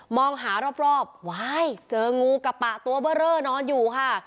มองหารอบว้ายเจองูกับปลาตัวเบ้อร่อนอนอยู่ค่ะ